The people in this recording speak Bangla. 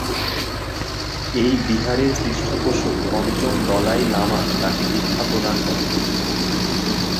এই বিহারের পৃষ্ঠপোষক পঞ্চম দলাই লামা তাকে দীক্ষা প্রদান করেন।